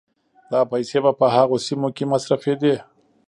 دا پيسې به په هغو سيمو کې مصرفېدې